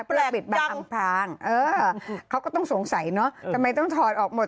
แปลกจังเขาก็ต้องสงสัยเนอะทำไมต้องถอดออกหมด